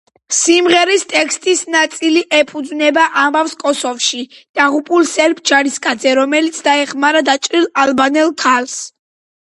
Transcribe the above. სიმღერის ტექსტის ნაწილი ეფუძნება ამბავს კოსოვოში დაღუპულ სერბ ჯარისკაცზე რომელიც დაეხმარა დაჭრილ ალბანელ ქალს.